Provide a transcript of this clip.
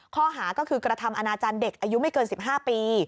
ข้อหาก็คือกระทำอนาจารย์เด็กอายุไม่เกิน๑๕ปี